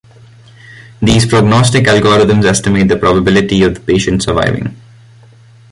These prognostic algorithms estimate the probability of the patient surviving.